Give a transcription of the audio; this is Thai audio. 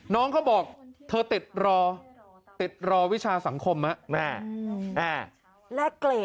น้องเขาบอกเธอติดรอติดรอวิชาสังคมน่ะแหละเกรด